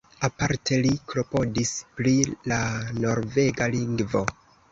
Aparte li klopodis pri la norvega lingvo.